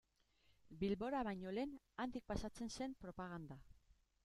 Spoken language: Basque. Bilbora baino lehen, handik pasatzen zen propaganda.